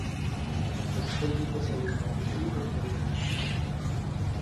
Los cónyuges en el matrimonio no tenían hijos.